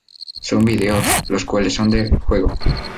Son videos, los cuales son del juego.